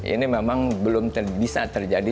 ini memang belum bisa terjadi